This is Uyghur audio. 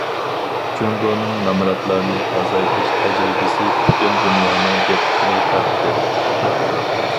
جۇڭگونىڭ نامراتلارنى ئازايتىش تەجرىبىسى پۈتۈن دۇنيانىڭ دىققىتىنى تارتتى.